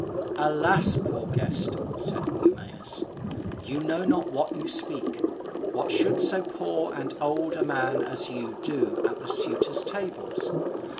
"Alas! poor guest," said Eumaeus, "you know not what you speak. What should so poor and old a man as you do at the suitors' tables?